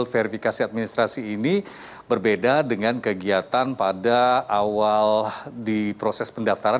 verifikasi administrasi ini berbeda dengan kegiatan pada awal di proses pendaftaran